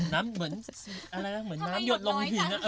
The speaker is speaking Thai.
น้ำเหมือนยดลงถึง